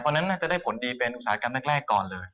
เพราะฉะนั้นน่าจะได้ผลดีเป็นอุตสาหกรรมแรกก่อนเลย